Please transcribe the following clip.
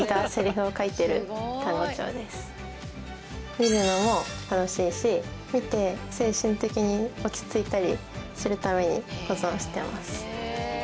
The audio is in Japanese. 見るのも楽しいし見て精神的に落ち着いたりするために保存してます。